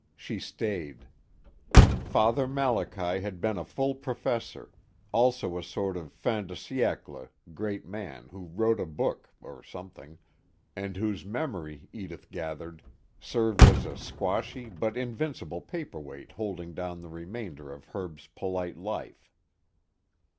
She stayed. Father Malachi had been a Full Professor, also a sort of fin de siècle Great Man who wrote a book (or something) and whose memory, Edith gathered, served as a squashy but invincible paperweight holding down the remainder of Herb's polite life.